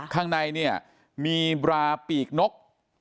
ข้างในเนี่ยมีบราปีกนก